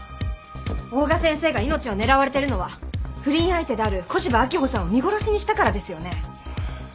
大賀先生が命を狙われてるのは不倫相手である古芝秋穂さんを見殺しにしたからですよね！？